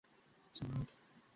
জিহ্বা দুটো কেটে গিয়েছিল।